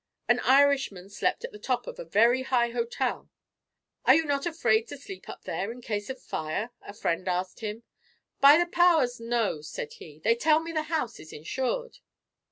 An Irishman slept at the top of a very high hotel. 'Are you not afraid to sleep up there, in case of fire?' a friend asked him. 'By the powers, no!' said he; 'they tell me the house is insured.